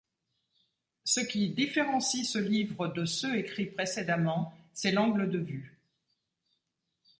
Ce qui différencie ce livre de ceux écrits précédemment, c'est l'angle de vue.